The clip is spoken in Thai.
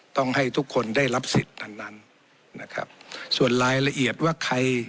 ต้องให้ทุกคนได้รับสิทธิ์อันนั้นนะครับส่วนรายละเอียดว่าใคร